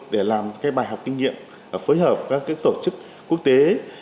để làm bài học kinh nghiệm phối hợp các tổ chức quốc tế